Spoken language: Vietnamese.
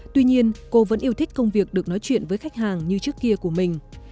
tuy nhiên cô vẫn yêu thích công việc được nói chuyện với khách hàng như trước kia của mình